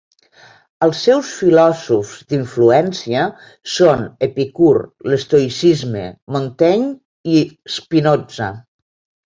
Els seus filòsofs d'influència són Epicur, l'estoïcisme, Montaigne i Spinoza.